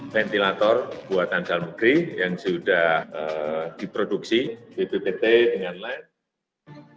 ventilator buatan salmegri yang sudah diproduksi bppt dengan lens